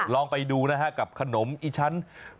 ลองไปดูนะฮะกับขนมอีชั้น